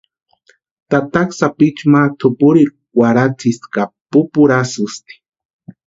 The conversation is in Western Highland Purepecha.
Tataka sapichu ma tʼupurirhu kwarhatsisti ka pupurhasïsti.